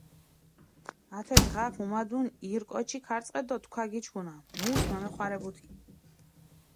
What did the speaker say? ათე დღაქ მუმადუნ ირ კოჩი ქარწყეთ დო თქვა გიჩქუნა, მუს მემეხვარებუთინ.